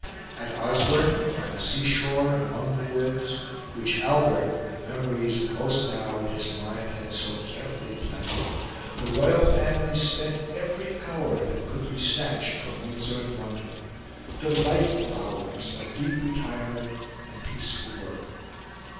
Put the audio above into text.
At Osborne, by the sea shore, and among the woods, which Albert, with memories of Rosenau in his mind, had so carefully planted, the royal family spent every hour that could be snatched from Windsor and London delightful hours of deep retirement and peaceful work.